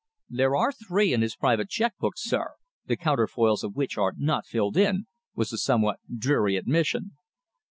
"There are three in his private cheque book, sir, the counterfoils of which are not filled in," was the somewhat dreary admission.